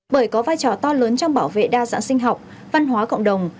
bởi có vai trò to lớn trong bảo vệ đa dạng sinh học văn hóa cộng đồng